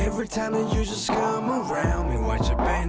บอกกูชอบเค้าแค่ไหน